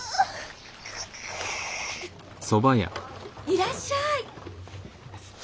いらっしゃい！